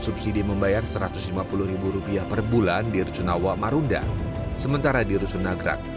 subsidi membayar satu ratus lima puluh rupiah perbulan di rusunawa marunda sementara di rusunagrak